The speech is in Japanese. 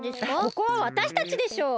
ここはわたしたちでしょう！